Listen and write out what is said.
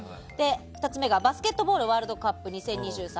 ２つ目が、バスケットボールワールドカップ２０２３。